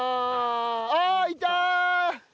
あっいた！